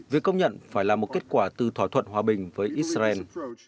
việc công nhận phải là một kết quả từ thỏa thuận hòa bình với israel